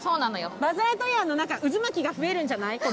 バズ・ライトイヤーの渦巻きが増えるんじゃない？